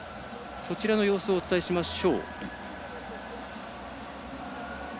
そちらの様子をお伝えしましょう。